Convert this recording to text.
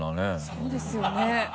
そうですよね。